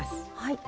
はい。